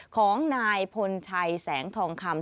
ของนายพลชัยแสงทองคำ